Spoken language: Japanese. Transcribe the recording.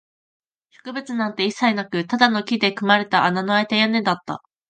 植物なんて一切なく、ただの木で組まれた穴のあいた屋根だった